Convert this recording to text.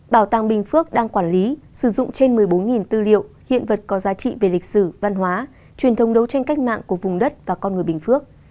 bảo tàng bình phước đang quản lý sử dụng trên một mươi bốn tư liệu hiện vật có giá trị về lịch sử văn hóa truyền thông đấu tranh cách mạng của vùng đất và con người bình phước